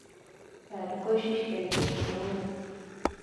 ہر کوشش کری دیکھیون